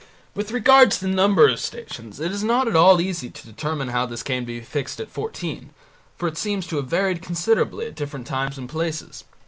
With regard to the number of Stations it is not at all easy to determine how this came to be fixed at fourteen, for it seems to have varied considerably at different times and places.